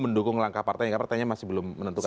mendukung langkah partai yang partainya masih belum menentukan